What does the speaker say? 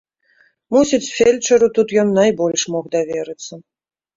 Мусіць, фельчару тут ён найбольш мог даверыцца.